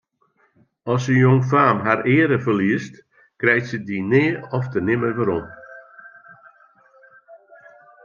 As in jongfaam har eare ferliest, krijt se dy nea ofte nimmer werom.